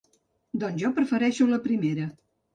Doncs jo prefereixo la primera.